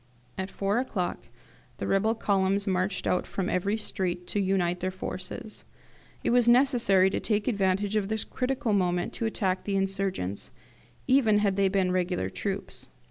At four o'clock the rebel columns marched out from every street to unite their forces. It was necessary to take advantage of this critical moment to attack the insurgents, even had they been regular troops.